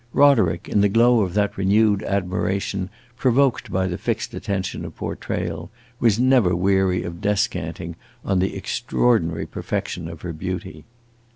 Roderick, in the glow of that renewed admiration provoked by the fixed attention of portrayal, was never weary of descanting on the extraordinary perfection of her beauty.